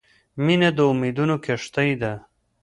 • مینه د امیدونو کښتۍ ده.